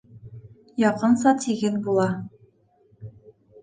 Яҡынса тигеҙ була